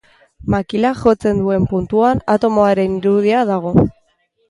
Makilak jotzen duen puntuan atomoaren irudia dago.